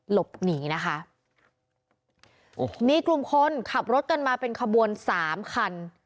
หลบหนีนะคะโอ้โหมีกลุ่มคนขับรถกันมาเป็นขบวนสามคัน